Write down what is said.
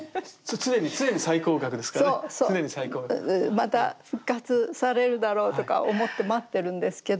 また復活されるだろうとか思って待ってるんですけど。